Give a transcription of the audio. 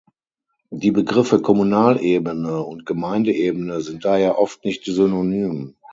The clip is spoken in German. Die Begriffe "Kommunalebene" und "Gemeindeebene" sind daher oft nicht synonym.